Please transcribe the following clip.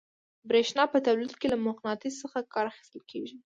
برېښنا په تولید کې له مقناطیس څخه کار اخیستل کیږي.